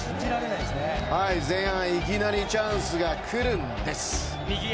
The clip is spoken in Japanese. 前半いきなりチャンスが来るんです。